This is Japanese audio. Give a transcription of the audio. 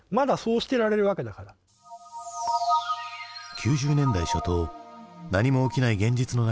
９０年代初頭何も起きない現実の中